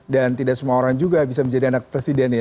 dan tidak semua orang juga bisa menjadi anak presiden ya